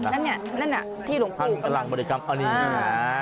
นั่นน่ะที่หลวงปู่กำลังบริกรรม